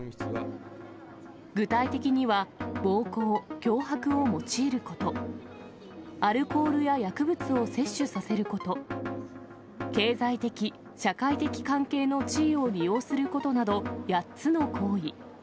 具体的には、暴行・脅迫を用いること、アルコールや薬物を摂取させること、経済的・社会的関係の地位を利用することなど、８つの行為。